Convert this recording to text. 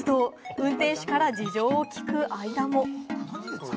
運転手から事情を聞く間も。